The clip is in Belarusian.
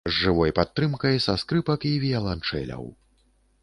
З жывой падтрымкай са скрыпак і віяланчэляў.